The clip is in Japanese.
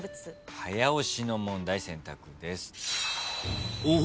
早押しの問題選択です。